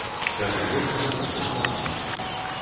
Пяты год адукацыя платная.